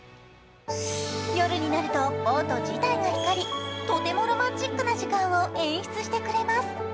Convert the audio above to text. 夜になるとボート自体が光りとてもロマンチックな時間を演出してくれます。